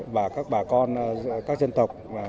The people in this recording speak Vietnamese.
và các bà con các dân tộc